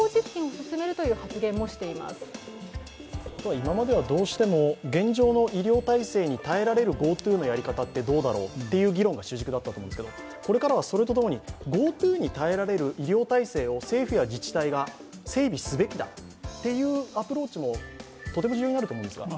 今まではどうしても現状の医療体制に耐えられるＧｏＴｏのやり方ってどうだろうという議論が主軸だったと思うんですけどこれからはそれと共にＧｏＴｏに耐えられる医療体制を政府や自治体が整備すべきだというアプローチもとても重要になると思うんですが？